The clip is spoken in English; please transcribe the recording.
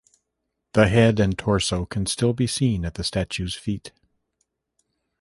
The head and torso can still be seen at the statue's feet.